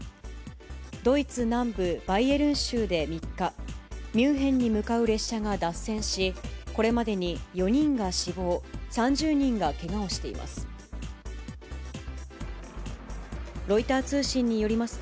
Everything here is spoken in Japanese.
ドイツ南部バイエルン州で３日、ミュンヘンに向かう列車が脱線し、これまでに４人が死亡、３０人がけがをしています。